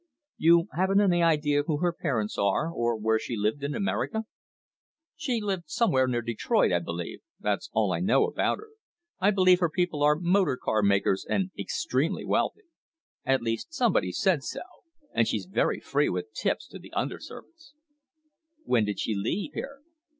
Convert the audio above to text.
"You haven't any idea who her parents are or where she lived in America?" "She lived somewhere near Detroit, I believe. That's all I know about her. I believe her people are motor car makers and extremely wealthy. At least, somebody said so and she's very free with tips to the under servants." "When did she leave here?"